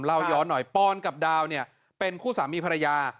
เล่าย้อนหน่อยปอนกับดาวเนี่ยเป็นคู่สามีภรรยา